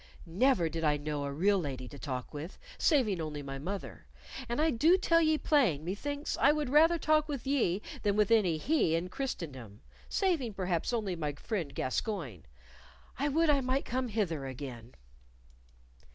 Never did I know a real lady to talk with, saving only my mother, and I do tell ye plain methinks I would rather talk with ye than with any he in Christendom saving, perhaps, only my friend Gascoyne. I would I might come hither again."